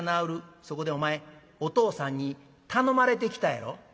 そこでお前お父さんに頼まれて来たやろ？」。